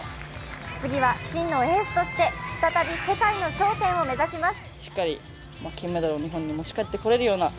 次は真のエースとして再び世界の頂点を目指します。